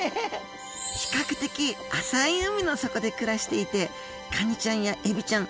比較的浅い海の底で暮らしていてカニちゃんやエビちゃん